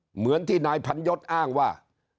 เหมือนที่นายพันยศอ้างว่า